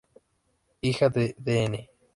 Hija de Dn.